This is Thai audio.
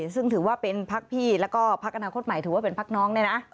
ซึ่งถือว่าเป็นพักพี่แล้วก็พักอนาคตใหม่ถือว่าเป็นพักน้องเนี่ยนะ